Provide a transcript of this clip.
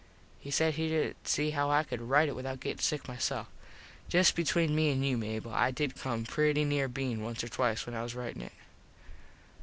He said he didn't see how I could rite it without gettin sick myself. Just between me an you Mable I did come pretty near being once or twice when I was ritin it.